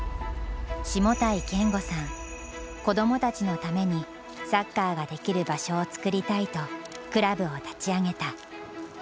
子どもたちのためにサッカーができる場所を作りたいとクラブを立ち上げた。